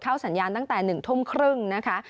สัญญาณตั้งแต่๑ทุ่มครึ่งนะคะ